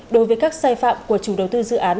đối với các sai phạm của chủ đầu tư dự án